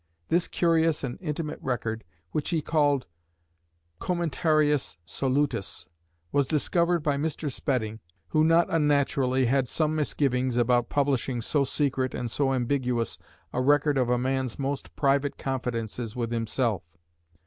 This curious and intimate record, which he called Commentarius Solutus, was discovered by Mr. Spedding, who not unnaturally had some misgivings about publishing so secret and so ambiguous a record of a man's most private confidences with himself.